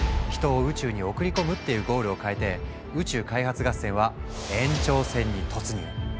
「人を宇宙に送り込む」っていうゴールをかえて宇宙開発合戦は延長戦に突入。